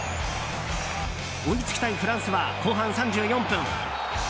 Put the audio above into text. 追いつきたいフランスは後半３４分。